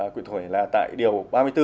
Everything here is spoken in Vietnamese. quyền thổi là tại điều ba mươi bốn